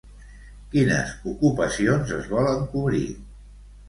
Quines ocupacions es volen cobrir?